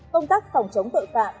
công tác phòng chống tội phạm